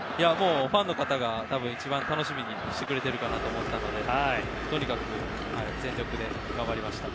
ファンの方が、一番楽しみにしてくれているかなと思ったのでとにかく全力で頑張りました。